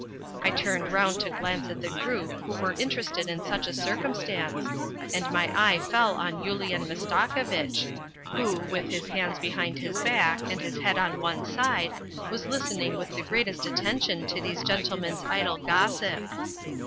I turned round to glance at the group who were interested in such a circumstance, and my 202 A CHRISTMAS TREE AND A WEDDING eye fell on Yulian Mastakovitch, who, with his hands behind his back and his head on one side, was listening with the greatest attention to these gentlemen's idle gossip.